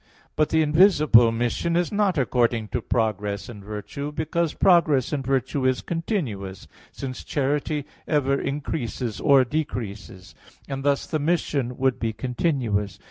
But the invisible mission is not according to progress in virtue; because progress in virtue is continuous, since charity ever increases or decreases; and thus the mission would be continuous.